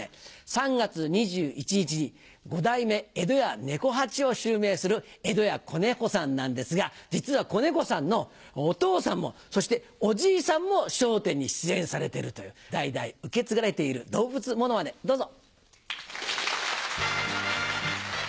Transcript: ３月２１日に五代目江戸家猫八を襲名する江戸家小猫さんなんですが実は小猫さんのお父さんもそしておじいさんも『笑点』に出演されているという代々受け継がれている動物モノマネどうぞ。